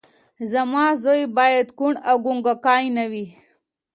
زما زوی باید کوڼ او ګونګی نه وي